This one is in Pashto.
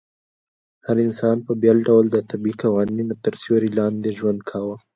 هر انسان په بېل ډول د طبيعي قوانينو تر سيوري لاندي ژوند کاوه